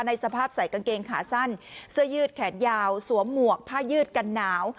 สภาพใส่กางเกงขาสั้นเสื้อยืดแขนยาวสวมหมวกผ้ายืดกันหนาว